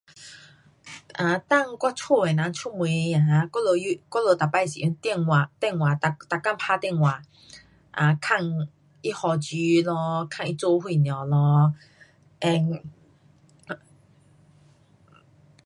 啊，当我家的人出门啊，我们又，我们每次是用电话，电话每，每天打电话，啊，问他何举咯，问他做什么咯。and